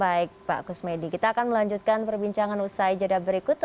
baik pak kusmedi kita akan melanjutkan perbincangan usai jeda berikut